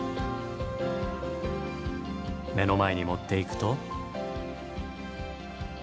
目の前に持っていくと。